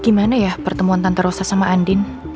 gimana ya pertemuan tanto rosa sama andin